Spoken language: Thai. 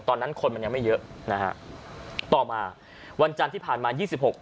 ตอนนั้นคนมันยังไม่เยอะนะฮะต่อมาวันจันทร์ที่ผ่านมายี่สิบหก